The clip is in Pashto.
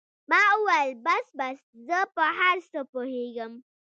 ما وويل بس بس زه په هر څه پوهېږم.